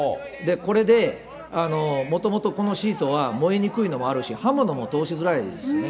これで、もともとこのシートは燃えにくいのもあるし、刃物も通しづらいですね。